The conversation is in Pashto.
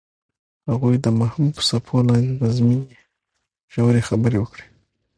هغوی د محبوب څپو لاندې د مینې ژورې خبرې وکړې.